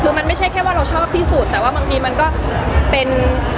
คือมันไม่ใช่แค่ว่าเราชอบที่สุดแต่ว่าบางทีมันก็เป็น